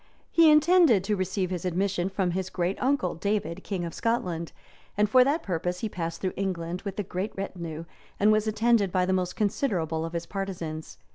] He intended to receive his admission from his great uncle, David, king of Scotland; and for that purpose he passed through England with a great retinue, and was attended by the most considerable of his partisans.